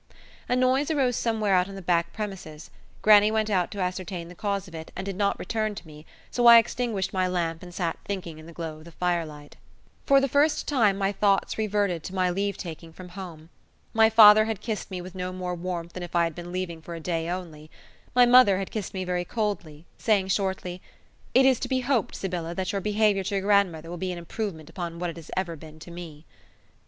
A noise arose somewhere out in the back premises. Grannie went out to ascertain the cause of it and did not return to me, so I extinguished my lamp and sat thinking in the glow of the firelight. For the first time my thoughts reverted to my leave taking from home. My father had kissed me with no more warmth than if I had been leaving for a day only; my mother had kissed me very coldly, saying shortly, "It is to be hoped, Sybylla, that your behaviour to your grandmother will be an improvement upon what it has ever been to me."